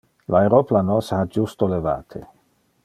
Le aeroplano se ha justo levate.